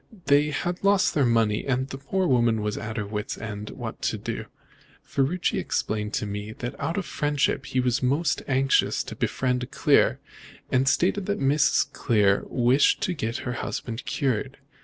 They had lost their money, and the poor woman was at her wit's end what to do. Ferruci explained to me that out of friendship he was most anxious to befriend Clear, and stated that Mrs. Clear wished to get her husband cured.